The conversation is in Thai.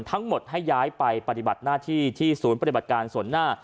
ทั้งหมดให้ย้ายไปปฏิบัติหน้าที่ที่ศูนย์ปฏิบัติการส่วนหน้า